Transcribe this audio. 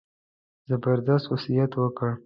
زبردست وصیت وکړ.